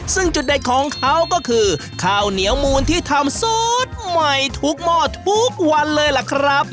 ซึ่งจุดเด็ดของเขาก็คือข้าวเหนียวมูลที่ทำสูตรใหม่ทุกหม้อทุกวันเลยล่ะครับ